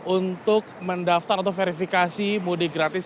untuk mendaftar atau verifikasi mudik gratis